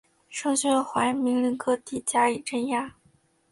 盛宣怀命令各地加以镇压。